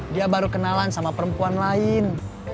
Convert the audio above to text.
dia baru kenalan sama perempuan lain